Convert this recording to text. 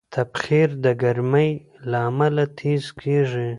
تبخیر د ګرمۍ له امله تېز کېږي.